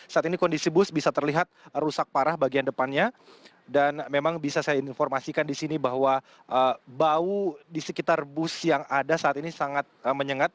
saat ini kondisi bus bisa terlihat rusak parah bagian depannya dan memang bisa saya informasikan di sini bahwa bau di sekitar bus yang ada saat ini sangat menyengat